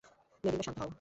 Melinda, শান্ত হও।